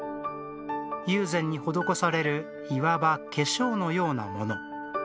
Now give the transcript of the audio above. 友禅に施されるいわば化粧のようなもの。